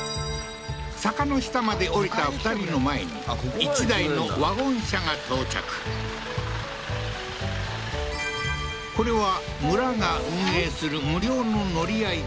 坂の下まで下りた２人の前に１台のこれは村が運営する無料の乗り合い